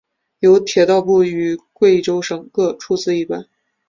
由铁道部与贵州省各出资一半。